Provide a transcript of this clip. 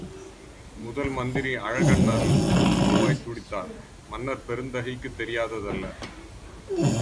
முதல் மந்திரி அழகண்ணல் புழுவாய்த் துடித்தார். மன்னர் பெருந்தகைக்குத் தெரியாததல்ல.